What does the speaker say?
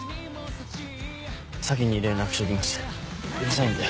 咲に連絡しときますうるさいんで。